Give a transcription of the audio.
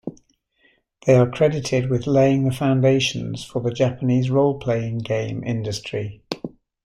They are credited with laying the foundations for the Japanese role-playing game industry.